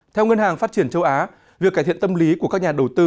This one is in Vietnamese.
theo ngân hàng phát triển châu á việc cải thiện tâm lý của các nhà đầu tư